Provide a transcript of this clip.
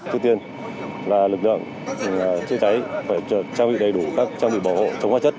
thứ tiên là lực lượng chữa cháy phải trang bị đầy đủ các trang bị bảo hộ chống hóa chất